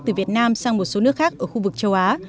từ việt nam sang một số nước khác ở khu vực châu á